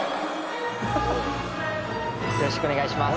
よろしくお願いします。